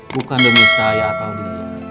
bukan demi saya atau dunia